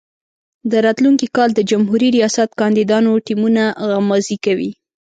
د راتلونکي کال د جمهوري ریاست کاندیدانو ټیمونه غمازي کوي.